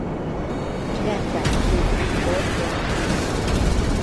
院长是于博泽。